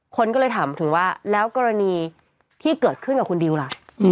คนก็เลยถามถึงว่าแล้วกรณีที่เกิดขึ้นกับคุณดิวล่ะ